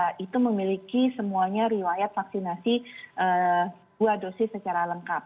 kita itu memiliki semuanya riwayat vaksinasi dua dosis secara lengkap